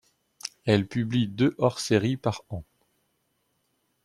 Elle publie deux hors-séries par an.